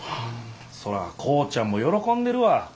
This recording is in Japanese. そら浩ちゃんも喜んでるわ。